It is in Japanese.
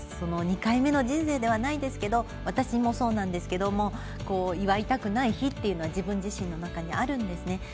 ２回目の人生ではないですが私もそうなんですけども祝いたくない日は自分自身の中にあるんですね。